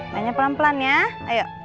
nanya pelan pelan ya ayo